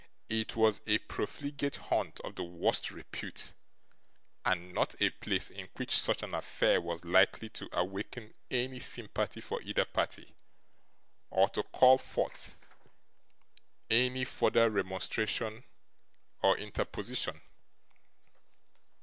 It was a profligate haunt of the worst repute, and not a place in which such an affair was likely to awaken any sympathy for either party, or to call forth any further remonstrance or interposition.